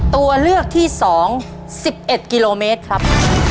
ตัวเลือกที่๒๑๑กิโลเมตรครับ